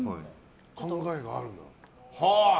考えがあるんだ。